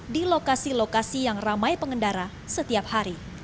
di lokasi lokasi yang ramai pengendara setiap hari